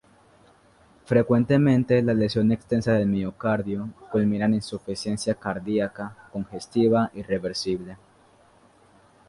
Frecuentemente la lesión extensa del miocardio culmina en insuficiencia cardíaca congestiva irreversible.